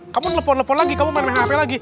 kamu nelfon telepon lagi kamu main main hp lagi